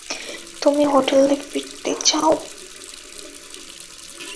তুমি হোটেলে ফিরতে চাও?